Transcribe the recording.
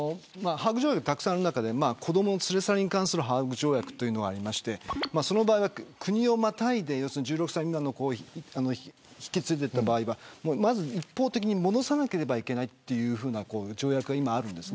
ハーグ条約、たくさんある中で子どもの連れ去りに関するハーグ条約があってその場合は国をまたいで１６歳未満の子を引き連れていった場合は一方的に戻さなければいけないという条約があるんです。